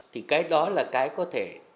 thì cái đó là cái có thể